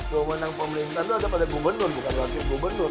keuangan pemerintah itu ada pada gubernur bukan wakil gubernur